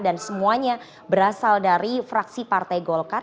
dan semuanya berasal dari fraksi partai golkar